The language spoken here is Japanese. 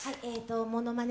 モノマネ